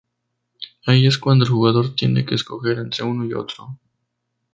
Ahí es cuando el jugador tiene que escoger entre uno u otro.